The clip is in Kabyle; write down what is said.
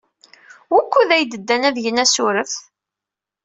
Wukud ay ddan ad gen asurf?